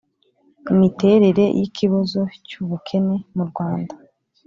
imiterere y'ikibazo cy'ubukene mu rwanda